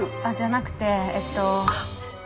あっじゃなくてえっと。